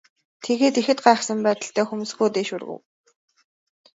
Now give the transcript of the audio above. Тэгээд ихэд гайхсан байдалтай хөмсгөө дээш өргөв.